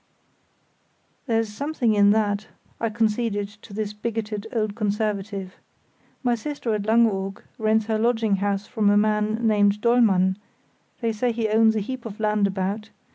"There's something in that," I conceded to this bigoted old conservative; "my sister at Langeoog rents her lodging house from a man named Dollmann; they say he owns a heap of land about.